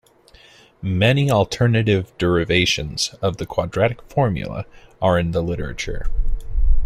Many alternative derivations of the quadratic formula are in the literature.